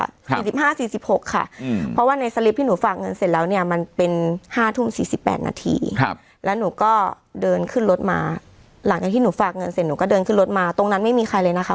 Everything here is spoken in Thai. ก็๔๖ค่ะเพราะว่าในสลิปที่หนูฝากเงินเสร็จแล้วเนี่ยมันเป็น๕ทุ่ม๔๘นาทีแล้วหนูก็เดินขึ้นรถมาหลังที่หนูฝากเงินเสร็จหนูก็เดินขึ้นรถมาตรงนั้นไม่มีใครเลยนะคะ